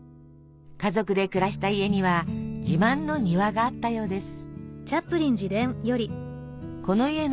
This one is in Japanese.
家族で暮らした家には自慢の庭があったようです。